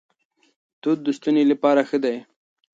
توت د ستوني لپاره ښه دي.